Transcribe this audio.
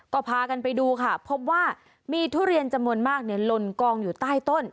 ก็พากันไปดูค่ะพบว่ามีทุเรียนจำนวนมากลนกองอยู่ใต้ต้น